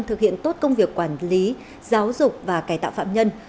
thực hiện tốt công việc quản lý giáo dục và cài tạo phạm nhân